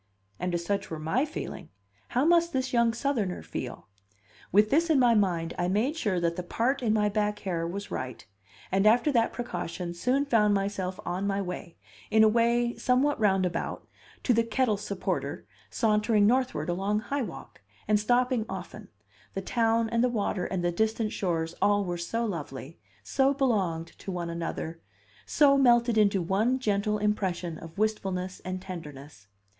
And if such were my feeling, how must this young Southerner feel? With this in my mind, I made sure that the part in my back hair was right, and after that precaution soon found myself on my way, in a way somewhat roundabout, to the kettle supporter sauntering northward along High Walk, and stopping often; the town, and the water, and the distant shores all were so lovely, so belonged to one another, so melted into one gentle impression of wistfulness and tenderness!